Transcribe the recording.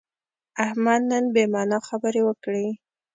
احمد نن بې معنا خبرې وکړې.